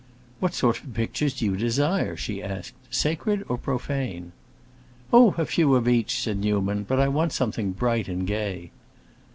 "What sort of pictures do you desire?" she asked. "Sacred, or profane?" "Oh, a few of each," said Newman. "But I want something bright and gay."